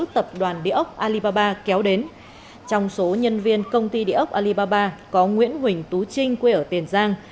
tập đoàn địa ốc alibaba kéo đến trong số nhân viên công ty địa ốc alibaba có nguyễn huỳnh tú trinh quê ở tiền giang